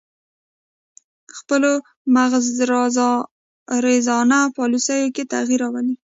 خپلو مغرضانه پالیسیو کې تغیر راولي